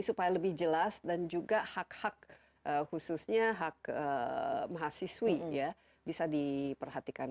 supaya lebih jelas dan juga hak hak khususnya hak mahasiswi bisa diperhatikan